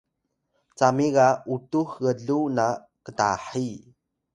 cami ga utux gluw na ktahi